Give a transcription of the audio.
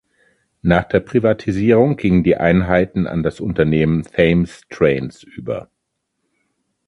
Nach der Privatisierung gingen die Einheiten an das Unternehmen Thames Trains über.